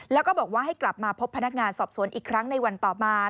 แล้วก็บอกว่าให้กลับมาพบพนักงานสอบสวนอีกครั้งในวันต่อมา